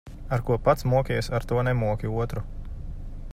Ar ko pats mokies, ar to nemoki otru.